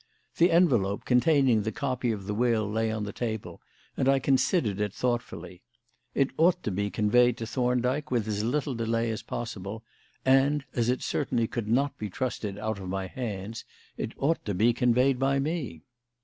The envelope containing the copy of the will lay on the table, and I considered it thoughtfully. It ought to be conveyed to Thorndyke with as little delay as possible, and, as it certainly could not be trusted out of my hands, it ought to be conveyed by me.